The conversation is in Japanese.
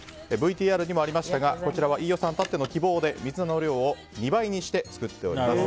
ＶＴＲにもありましたが飯尾さんたっての希望で水菜の量を２倍にして作っております。